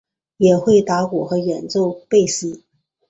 也会打鼓和演奏贝斯。